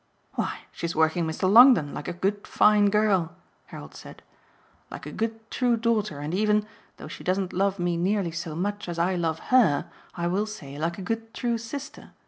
"Why she's working Mr. Longdon, like a good fine girl," Harold said; "like a good true daughter and even, though she doesn't love me nearly so much as I love HER, I will say, like a good true sister.